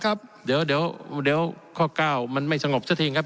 ครับเดี๋ยวเดี๋ยวข้อเก้ามันไม่สงบสักทีครับ